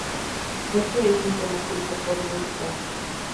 Este es un tema escrito por Luis Fonsi.